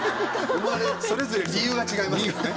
それぞれ理由が違いますけどね。